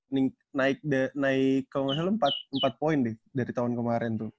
nah naik kalo gak salah empat poin deh dari tahun kemaren tuh